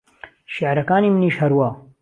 شێعرەکانی منیش هەروا